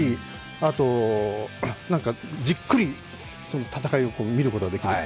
あと、じっくり戦いを見ることができる。